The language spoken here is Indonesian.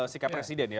sikap presiden ya